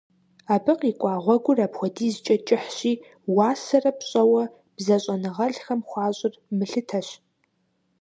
Абы къикӀуа гъуэгур апхуэдизкӀэ кӀыхьщи, уасэрэ пщӀэуэ бзэщӀэныгъэлӀхэм хуащӀыр мылъытэщ.